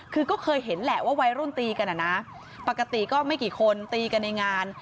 คือก็เคยเห็นแหละว่าวัยรุ่นตีกันอ่ะนะปกติก็ไม่กี่คนตีกันในงาน